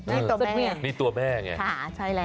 มีตัวแม่มีตัวแม่ไงใช่แล้ว